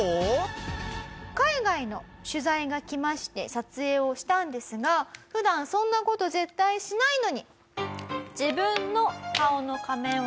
海外の取材が来まして撮影をしたんですが普段そんな事絶対しないのに。